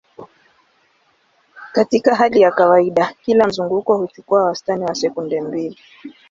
Katika hali ya kawaida, kila mzunguko huchukua wastani wa sekunde mbili.